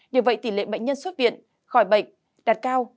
nhờ vậy tỷ lệ bệnh nhân xuất viện khỏi bệnh đạt cao